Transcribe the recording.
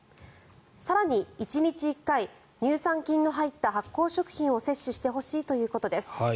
更に、１日１回乳酸菌が入った発酵食品を摂取してほしいということです。